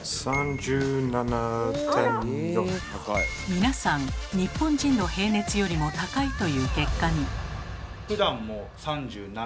皆さん日本人の平熱よりも高いという結果に。